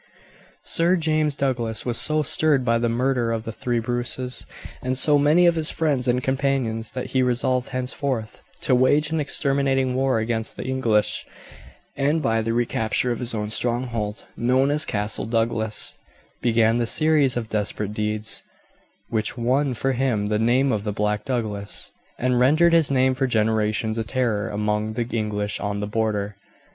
Sir James Douglas was so stirred by the murder of the three Bruces and so many of his friends and companions, that he resolved henceforth to wage an exterminating war against the English, and by the recapture of his own stronghold, known as Castle Douglas, began the series of desperate deeds which won for him the name of the Black Douglas, and rendered his name for generations a terror among the English on the Border.